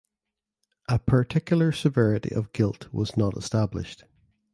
A particular severity of guilt was not established.